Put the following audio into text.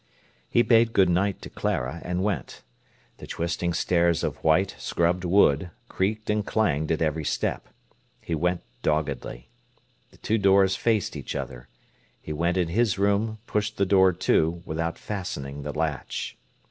He bade good night to Clara, and went. The twisting stairs of white, scrubbed wood creaked and clanged at every step. He went doggedly. The two doors faced each other. He went in his room, pushed the door to, without fastening the latch.